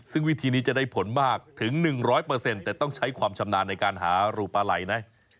ซึ่งวิธีนี้จะได้ผลมากถึง๑๐๐แต่ต้องใช้ความชำนาญในการหารูปลาไหล่นะ